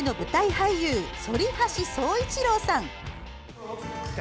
俳優反橋宗一郎さん。